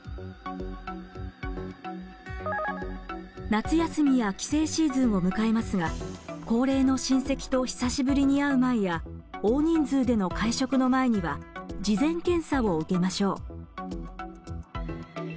夏休みや帰省シーズンを迎えますが高齢の親戚と久しぶりに会う前や大人数での会食の前には事前検査を受けましょう。